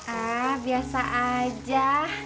ah biasa aja